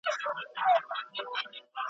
جنازې مو پر اوږو د ورځو ګرځي .